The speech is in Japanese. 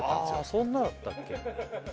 そんなだったっけ